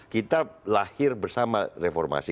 kita lahir bersama reformasi